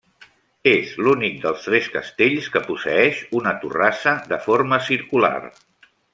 És l'únic dels tres castells que posseeix una torrassa de forma circular.